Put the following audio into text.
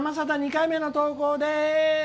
２回目の投稿です。